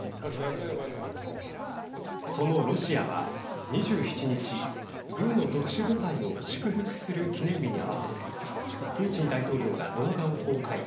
そのロシアは２７日軍の特殊部隊を祝福する記念日に合わせてプーチン大統領が動画を公開。